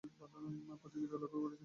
প্রতিযোগিতায় লক্ষ্য করেছি।